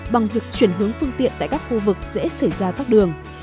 bằng việc chuyển hướng phương tiện tại các khu vực dễ xảy ra tắc đường